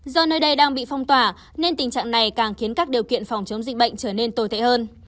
do nơi đây đang bị phong tỏa nên tình trạng này càng khiến các điều kiện phòng chống dịch bệnh trở nên tồi tệ hơn